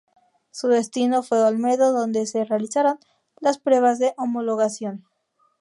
Su destino fue Olmedo donde se realizaron las pruebas de homologación.